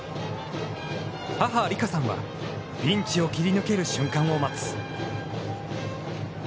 母・リカさんは、ピンチを切り抜ける瞬間を待つ。